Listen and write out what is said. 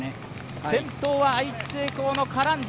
先頭は愛知製鋼のカランジャ。